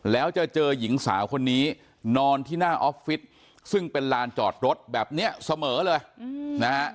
แล้วจะเจอหญิงสาวคนนี้นอนที่หน้าออฟฟิศซึ่งเป็นลานจอดรถแบบนี้เสมอเลยนะฮะ